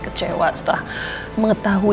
kecewa setelah mengetahui